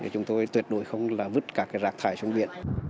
chúng tôi tuyệt đối không là vứt cả cái rác thải trong biển